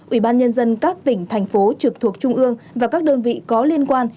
ủy ban nhân dân các tỉnh thành phố trực thuộc trung ương và các đơn vị có liên quan